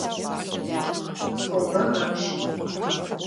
Фо бэв апщий.